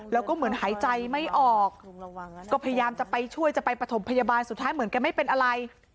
แล้วก็เหมือนหายใจไม่ออกก็พยายามจะไปช่วยจะไปประถมพยาบาลสุดท้ายเหมือนกันไม่เป็นอะไร